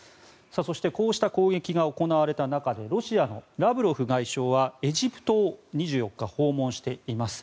そしてこうした攻撃が行われた中でロシアのラブロフ外相はエジプトを２４日、訪問しています。